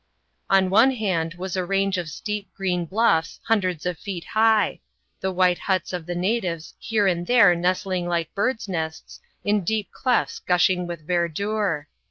On one hand was a range of steep green bluffs hundreds of feet high, the white huts of the natives here and there nestling like birds' nests in deep clefts gushing with verdure.